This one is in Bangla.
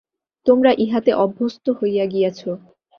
তোমরা ইহাতে অভ্যস্ত হইয়া গিয়াছ।